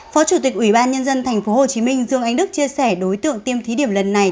phó chủ tịch ủy ban nhân dân tp hcm dương anh đức chia sẻ đối tượng tiêm thí điểm lần này